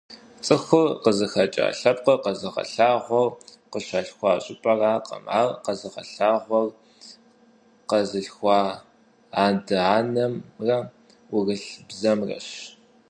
ЦӀыхур къызыхэкӀа лъэпкъыр къэзыгъэлъагъуэр къыщалъхуа щӀыпӀэракъым, ар къэзыгъэлъагъуэр къэзылъхуа адэ-анэмрэ ӏурылъ бзэмрэщ.